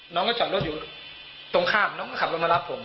น้องก็จอดรถอยู่ตรงข้ามน้องก็ขับรถมารับผม